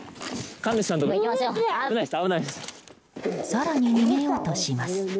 更に逃げようとします。